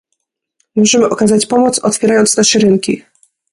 Możemy okazać pomoc, otwierając nasze rynki